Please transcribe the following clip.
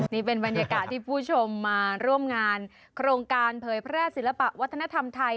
นี่เป็นบรรยากาศที่ผู้ชมมาร่วมงานโครงการเผยแพร่ศิลปะวัฒนธรรมไทย